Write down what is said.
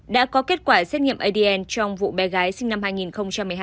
đã có kết quả xét nghiệm adn trong vụ bé gái sinh năm hai nghìn một mươi hai